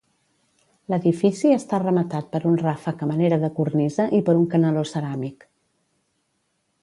L'edifici està rematat per un ràfec a manera de cornisa i per un canaló ceràmic.